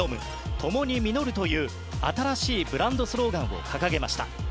ともに実る。」という新しいブランドスローガンを掲げました。